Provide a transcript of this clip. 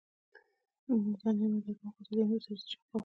نو دا نعمت درکوم، خو که د دي نه وروسته چا کفر